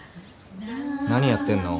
何やってんの？